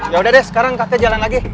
yaudah deh sekarang kafe jalan lagi